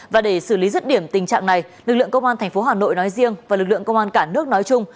và để xử lý rứt điểm tình trạng này lực lượng công an tp hà nội nói riêng và lực lượng công an cả nước nói chung